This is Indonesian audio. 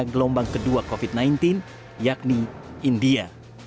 gelombang kedua covid sembilan belas yakni india